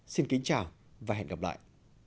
xin kính chào và hẹn gặp lại